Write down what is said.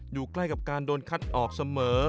อยู่ใกล้กับการโดนคัดออกเสมอ